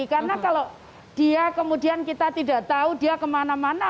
karena kalau dia kemudian kita tidak tahu dia kemana mana